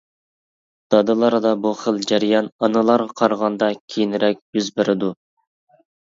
دادىلاردا بۇ خىل جەريان ئانىلارغا قارىغاندا كېيىنرەك يۈز بېرىدۇ.